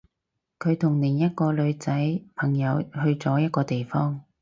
佢同另一個女仔朋友去咗一個地方